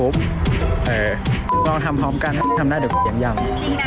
มองทำพร้อมกันให้ดูเขียงยัง